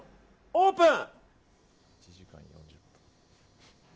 オープン！